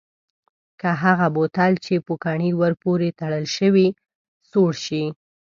که هغه بوتل چې پوکڼۍ ور پورې تړل شوې سوړ شي؟